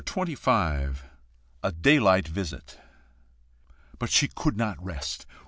CHAPTER XXV. A DAYLIGHT VISIT. But she could not rest.